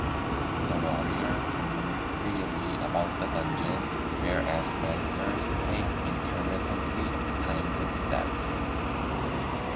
The warrior can move freely about the dungeon, whereas monsters take intermittently timed steps.